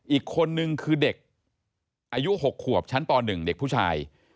อีกคนนึงคือเด็กอายุ๖ขวบชั้นป๑เด็กผู้ชาย